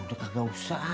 udah gak usah